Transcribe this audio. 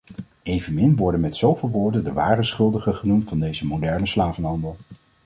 Evenmin worden met zoveel woorden de ware schuldigen genoemd van deze moderne slavenhandel.